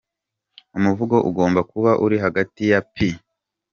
Umuvugo ugomba kuba uri hagati ya p.